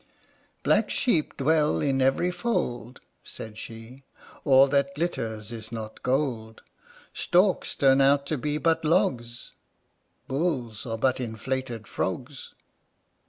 Black sheep dwell in every fold; (said she) All that glitters is not gold; Storks turn out to be but logs; Bulls are but inflated frogs.